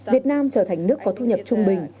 việt nam trở thành nước có thu nhập trung bình